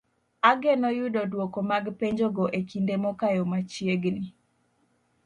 Ageno yudo dwoko mag penjogo e kinde mokayo machiegni.